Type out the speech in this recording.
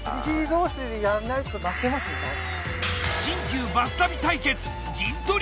新旧バス旅対決陣取り